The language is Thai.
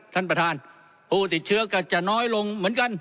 ท่านประธานผู้ติดเชื้อก็จะน้อยลงเหมือนกัน